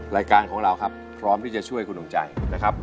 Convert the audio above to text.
รายการของเราครับพร้อมที่จะช่วยคุณดวงใจนะครับ